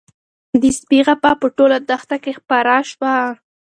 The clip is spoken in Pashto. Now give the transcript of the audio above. د سپي غپا په ټوله دښته کې خپره شوه.